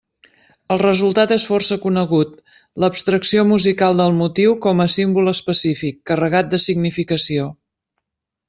El resultat és força conegut: l'abstracció musical del motiu com a símbol específic, carregat de significació.